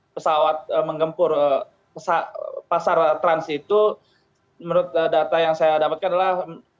pesawat menggempur pasar trans itu menurut data yang saya dapatkan adalah